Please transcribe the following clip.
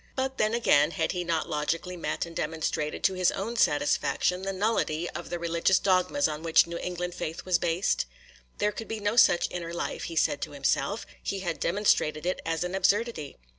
But then, again, had he not logically met and demonstrated, to his own satisfaction, the nullity of the religious dogmas on which New England faith was based? There could be no such inner life, he said to himself,—he had demonstrated it as an absurdity.